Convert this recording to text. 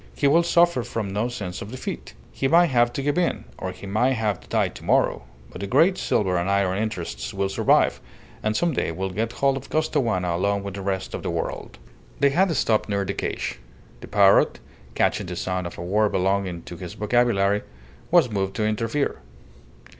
He will suffer from no sense of defeat. He may have to give in, or he may have to die to morrow, but the great silver and iron interests will survive, and some day will get hold of Costaguana along with the rest of the world." They had stopped near the cage. The parrot, catching the sound of a word belonging to his vocabulary, was moved to interfere.